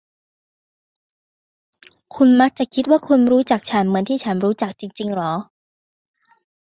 คุณมักจะคิดว่าคุณรู้จักฉันเหมือนที่ฉันรู้จักจริง ๆ เหรอ ?